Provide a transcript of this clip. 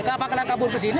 gak bakalan kabur ke sini